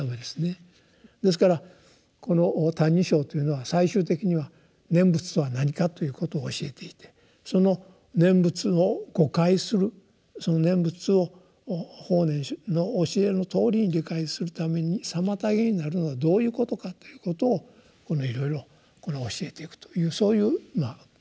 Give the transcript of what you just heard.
ですからこの「歎異抄」というのは最終的には「念仏とは何か」ということを教えていてその念仏を誤解するその念仏を法然の教えのとおりに理解するために妨げになるのはどういうことかということをいろいろ教えていくというそういう構想になってるわけですね。